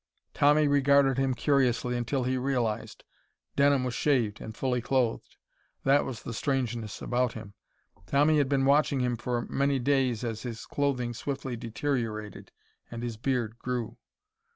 Tommy regarded him curiously until he realized. Denham was shaved and fully clothed. That was the strangeness about him. Tommy had been watching him for many days as his clothing swiftly deteriorated and his beard grew.